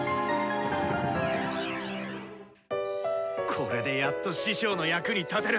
「これでやっと師匠の役に立てる！